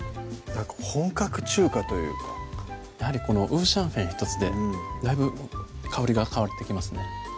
本格中華というかやはりこの五香粉１つでだいぶ香りが変わってきますね